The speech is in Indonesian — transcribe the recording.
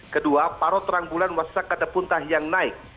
kedua paro terang bulan wassaka depuntah yang naik